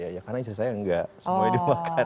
ya karena istri saya enggak semuanya dimakan